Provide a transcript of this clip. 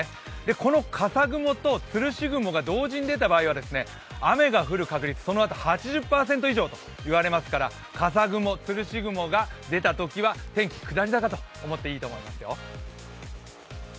この笠雲とつるし雲が同時に出た場合には雨が降る確率、そのあと８０％以上といわれますから笠雲、つるし雲が出たときは天気、下り坂と思っていいと思いますよ。